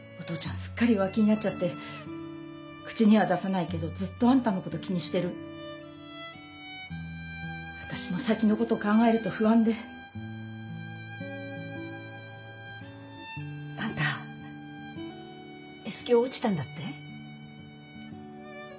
すっかり弱気になっちゃって口には出さないけどずっとあんたのこと気にしてる私も先のこと考えると不安であんたＳ響落ちたんだって？